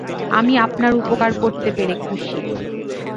আমি আপনার উপকার করতে পেরে খুশি।